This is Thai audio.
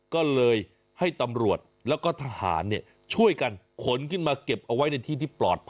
ก็เลยให้ตำรวจแล้วก็ทหารช่วยกันขนขึ้นมาเก็บเอาไว้ในที่ที่ปลอดภัย